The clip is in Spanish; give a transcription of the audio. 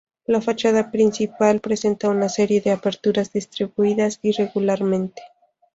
La fachada principal presenta una serie de aperturas distribuidas irregularmente.